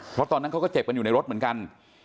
เพราะตอนนั้นเขาก็เจ็บกันอยู่ในรถเหมือนกัน